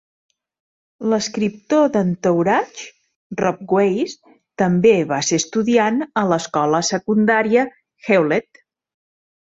L'escriptor "d'Entourage", Rob Weiss, també va ser estudiant a l'escola secundària Hewlett.